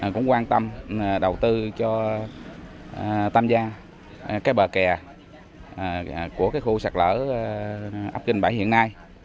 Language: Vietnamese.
cũng quan tâm đầu tư cho tàm giang cái bờ kè của khu sạch lỡ ấp kinh bãi hiện nay